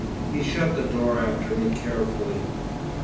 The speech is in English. He shut the door after me carefully.